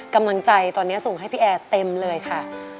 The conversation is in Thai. กำลังใจตอนนี้ส่งให้พี่แอร์เต็มเลยค่ะ